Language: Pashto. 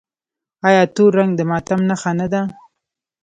آیا تور رنګ د ماتم نښه نه ده؟